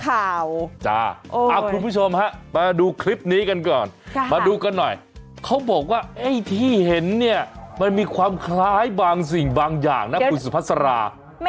คุณผู้ชมฮะมาดูคลิปนี้กันก่อนมาดูกันหน่อยเขาบอกว่าไอ้ที่เห็นเนี่ยมันมีความคล้ายบางสิ่งบางอย่างนะคุณสุภาษา